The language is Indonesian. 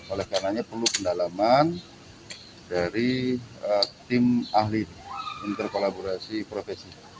oleh karenanya perlu pendalaman dari tim ahli interkolaborasi profesi